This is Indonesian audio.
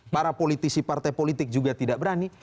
para politisi partai politik juga tidak berani